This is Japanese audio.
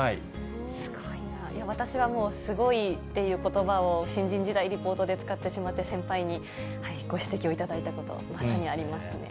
すごいな、私はもうすごいっていうことばを新人時代、リポートで使ってしまって、先輩にご指摘をいただいたことがありますね。